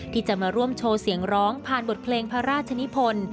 ที่จะมาร่วมโชว์เสียงร้องผ่านบทเพลงพระราชนิพล